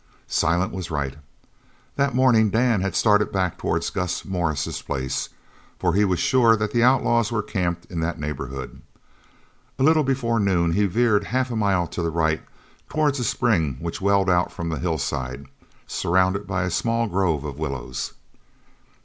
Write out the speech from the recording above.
Silent was right. That morning Dan had started back towards Gus Morris's place, for he was sure that the outlaws were camped in that neighbourhood. A little before noon he veered half a mile to the right towards a spring which welled out from a hillside, surrounded by a small grove of willows.